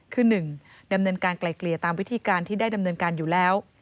คือ๑ดำเนินการไกลเกลี่ยตามวิธีการที่ได้ดำเนินการอยู่แล้ว